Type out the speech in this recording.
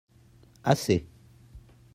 assez.